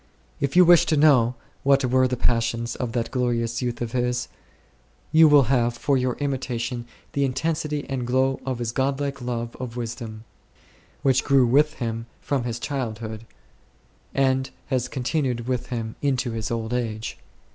If you wish to know what were the passions of that glorious youth of his, you will have for your imitation the intensity and glow of his god like love of wisdom, which grew with him from his childhood, and has continued with him into his old age.